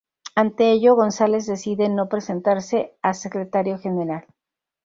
Ante ello, González decide no presentarse a secretario general.